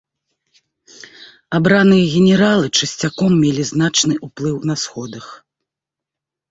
Абраныя генералы часцяком мелі значны ўплыў на сходах.